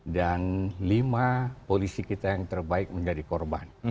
dan lima polisi kita yang terbaik menjadi korban